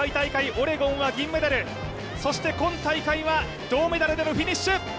オレゴンは銀メダル、そして今大会は銅メダルでのフィニッシュ！